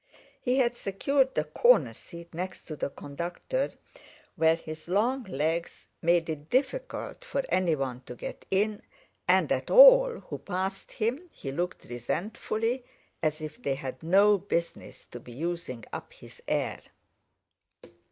He had secured the corner seat next the conductor, where his long legs made it difficult for anyone to get in, and at all who passed him he looked resentfully, as if they had no business to be using up his air.